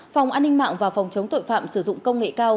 phòng an ninh mạng và phòng chống tội phạm sử dụng công nghệ cao